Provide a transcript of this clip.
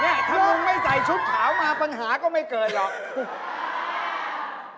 นี่ถ้าลุงไม่ใส่ชุดขาวมาปัญหาก็ไม่เกิดหรอก